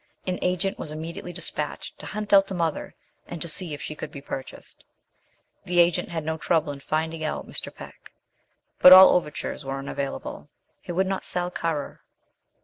An agent was immediately despatched to hunt out the mother and to see if she could be purchased. The agent had no trouble in finding out Mr. Peck: but all overtures were unavailable; he would not sell Currer.